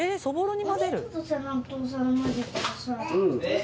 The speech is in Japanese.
「えっ！